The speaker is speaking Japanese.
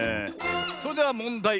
それではもんだい。